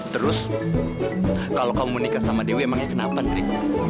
terus kalau kamu mau nikah sama dewi emangnya kenapa ndri